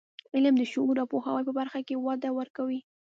علم د شعور او پوهاوي په برخه کې وده ورکوي.